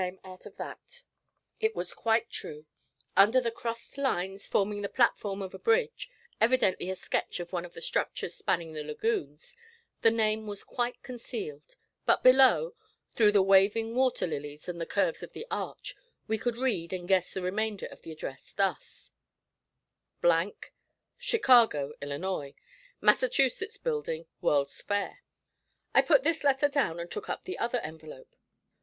J.'s name out of that.' It was quite true; under the crossed lines forming the platform of a bridge, evidently a sketch of one of the structures spanning the lagoons, the name was quite concealed, but below, through the waving water lines and the curves of the arch, we could read and guess the remainder of the address, thus: ', 'Chicago, 'Illinois. 'Massachusetts Building, World's Fair.' I put this letter down and took up the other envelope.